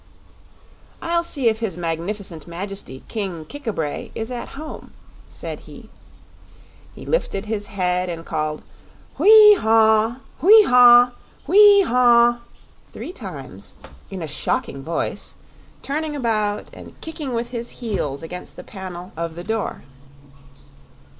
"I'll see if his magnificent Majesty King Kik a bray is at home," said he. He lifted his head and called "Whee haw! whee haw! whee haw!" three times, in a shocking voice, turning about and kicking with his heels against the panel of the door.